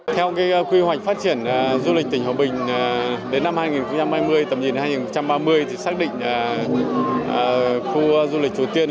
theo quy hoạch phát triển du lịch tỉnh hòa bình đến năm hai nghìn hai mươi tầm nhìn hai nghìn ba mươi thì xác định khu du lịch chùa tiên